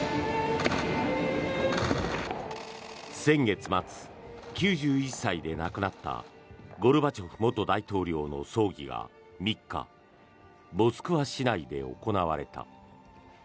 先月末、９１歳で亡くなったゴルバチョフ元大統領の葬儀が３日、モスクワ市内で行われた。